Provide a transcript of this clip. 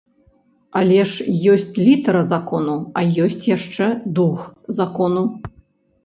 Але ж ёсць літара закону, а ёсць яшчэ дух закону.